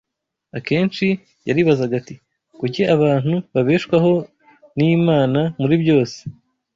Akenshi yaribazaga ati, Kuki abantu babeshwaho n’Imana muri byose